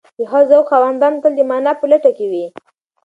د ښه ذوق خاوندان تل د مانا په لټه کې وي.